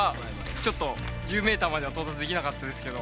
ちょっと１０メーターまでは到達できなかったですけど。